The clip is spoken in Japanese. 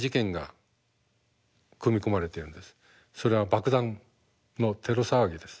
それは爆弾のテロ騒ぎです。